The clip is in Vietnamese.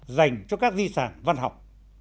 dành cho các di sản văn học